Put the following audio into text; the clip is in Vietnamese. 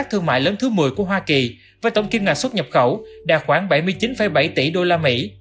hải quan hoa kỳ với tổng kim ngạc xuất nhập khẩu đạt khoảng bảy mươi chín bảy tỷ đô la mỹ